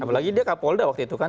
apalagi dia kapolda waktu itu kan